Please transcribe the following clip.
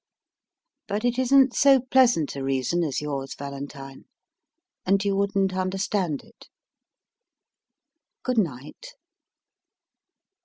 But it isn t so pleasant a reason as yours, Valentine, and you wouldn t understand it. Good night.